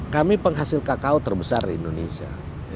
kami penghasil kakao terbesar di indonesia